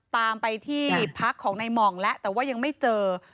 ตามไปที่พักของในหม่องแล้วแต่ว่ายังไม่เจอ